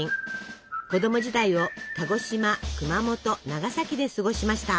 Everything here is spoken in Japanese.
子供時代を鹿児島熊本長崎で過ごしました。